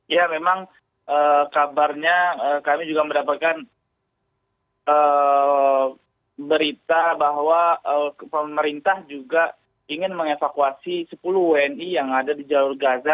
ya memang kabarnya kami juga mendapatkan berita bahwa pemerintah juga ingin mengevakuasi sepuluh wni yang ada di jalur gaza